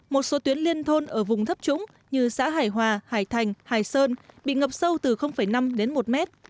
một số tuyến liên thôn ở vùng thấp trũng như xã hải hòa hải thành hải sơn bị ngập sâu từ năm đến một mét